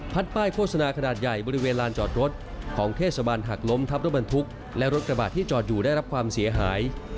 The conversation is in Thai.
ป้ายโฆษณาขนาดใหญ่บริเวณลานจอดรถของเทศบาลหักล้มทับรถบรรทุกและรถกระบาดที่จอดอยู่ได้รับความเสียหาย